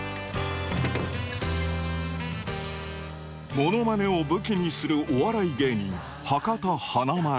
モノマネを武器にするお笑い芸人博多華丸。